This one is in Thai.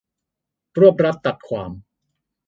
รวบรัดตัดความ